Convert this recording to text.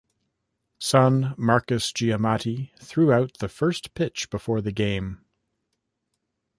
Son Marcus Giamatti threw out the first pitch before the game.